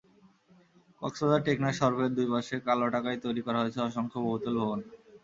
কক্সবাজার-টেকনাফ সড়কের দুই পাশে কালোটাকায় তৈরি করা হয়েছে অসংখ্য বহুতল ভবন।